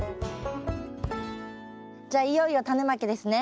じゃあいよいよタネまきですね。